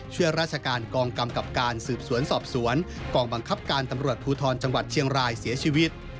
ช่วยราชการกองกำกับการสืบสวนสอบสวนกองบังคับการตำรวจภูทรจังหวัดเชียงรายเสียชีวิต